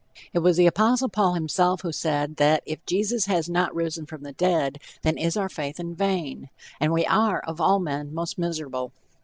It was the Apostle Paul himself who said that "if Jesus has not risen from the dead, then is our faith in vain, and we are, of all men, most miserable."